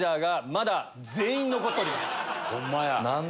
ホンマや。